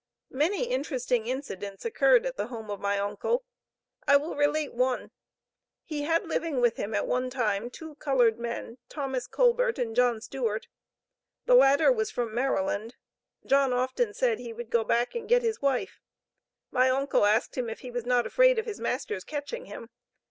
Many interesting incidents occurred at the home of my uncle. I will relate one. He had living with him at one time, two colored men, Thomas Colbert and John Stewart. The latter was from Maryland; John often said he would go back and get his wife. My uncle asked him if he was not afraid of his master's catching him.